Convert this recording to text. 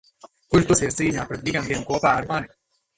Kurš dosies cīņā pret Gigantiem kopā ar mani?